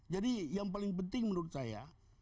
jadi yang paling penting menurut saya